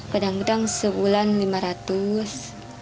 kadang kadang sebulan lima ratus